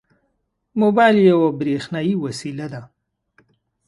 موبایل یوه برېښنایي وسیله ده.